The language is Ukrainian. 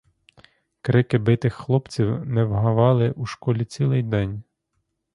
Крики битих хлопців не вгавали у школі цілий день.